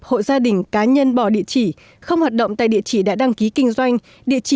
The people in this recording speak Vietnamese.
hội gia đình cá nhân bỏ địa chỉ không hoạt động tại địa chỉ đã đăng ký kinh doanh